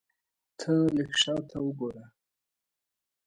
ته لږ شاته وګوره !